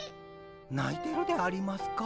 ないてるでありますか？